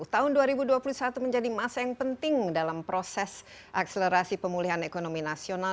tahun dua ribu dua puluh satu menjadi masa yang penting dalam proses akselerasi pemulihan ekonomi nasional